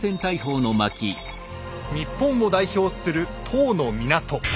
日本を代表する１０の港。